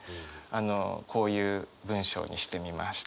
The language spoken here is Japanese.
こういう文章にしてみました。